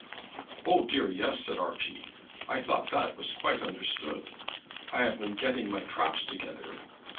"O dear, yes," said Archie. "I thought that was quite understood. I have been getting my traps together."